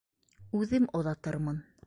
Үҙем оҙатырмын.